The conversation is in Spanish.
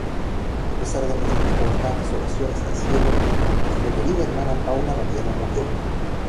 A pesar de nuestras constantes oraciones al cielo, nuestra querida hermana Paula Mariana murió.